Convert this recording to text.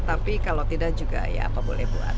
tapi kalau tidak juga ya apa boleh buat